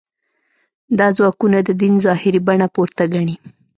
دا ځواکونه د دین ظاهري بڼه پورته ګڼي.